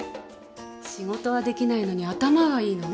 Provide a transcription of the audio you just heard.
仕事はできないのに頭はいいのね